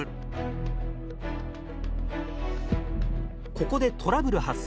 ここでトラブル発生。